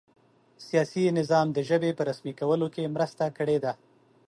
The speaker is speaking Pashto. سیاسي نظام د ژبې په رسمي کولو کې مرسته کړې ده.